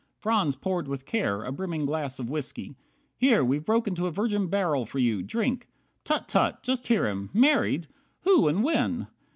Franz poured with care A brimming glass of whiskey. "Here, we've broke Into a virgin barrel for you, drink! Tut! Tut! Just hear him! Married! Who, and when?